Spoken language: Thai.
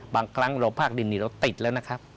บางครั้งเราภาคดินนี่เราติดแล้วนะครับ